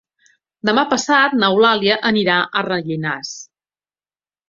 Demà passat n'Eulàlia anirà a Rellinars.